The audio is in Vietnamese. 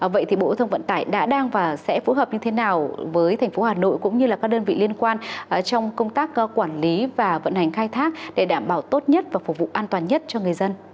vậy thì bộ thông vận tải đã đang và sẽ phối hợp như thế nào với thành phố hà nội cũng như các đơn vị liên quan trong công tác quản lý và vận hành khai thác để đảm bảo tốt nhất và phục vụ an toàn nhất cho người dân